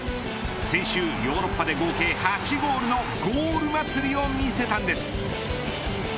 先週ヨーロッパで合計８ゴールのゴール祭りを見せたんです。